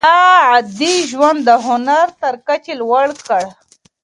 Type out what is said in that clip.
ده عادي ژوند د هنر تر کچې لوړ کړ.